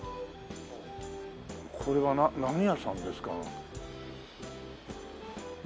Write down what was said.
これは何屋さんですか？